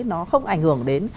nó không ảnh hưởng đến